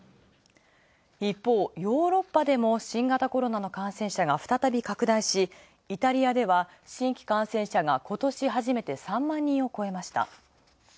一方、ヨーロッパでも新型コロナの感染者が拡大し、イタリアでは新規感染者が今年初めて３万人を超えました。